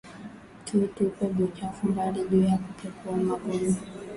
Tu tupe buchafu mbali juya kuepuka magonjwa